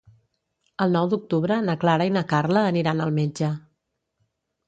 El nou d'octubre na Clara i na Carla aniran al metge.